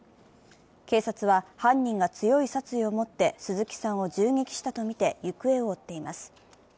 警察は犯人が強い殺意を持って鈴木さんを銃撃したとみて、行方を追っています。